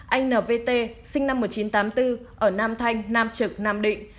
anh n v t sinh năm một nghìn chín trăm tám mươi bốn ở nam thanh nam trực nam định